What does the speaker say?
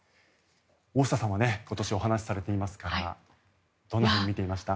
大下さんは今年お話しされていますからどんなふうにみていますか？